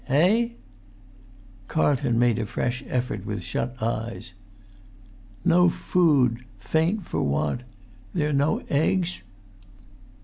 eh?" Carlton made a fresh effort with shut eyes. "No food ... faint for want ... there no eggs?"